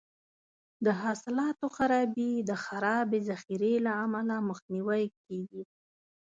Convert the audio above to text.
د حاصلاتو خرابي د خرابې ذخیرې له امله مخنیوی کیږي.